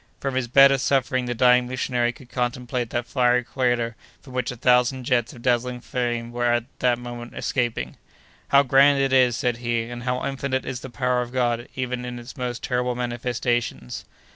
From his bed of suffering, the dying missionary could contemplate that fiery crater from which a thousand jets of dazzling flame were that moment escaping. "How grand it is!" said he, "and how infinite is the power of God even in its most terrible manifestations!"